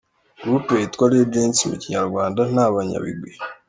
Groupe yitwa Legends mu kinyarwanda ni Abanyabigwi.